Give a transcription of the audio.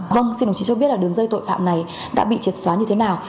vâng xin đồng chí cho biết là đường dây tội phạm này đã bị triệt xóa như thế nào